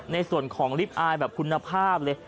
ในส่วนของลิฟต์อายแบบคุณภาพเลย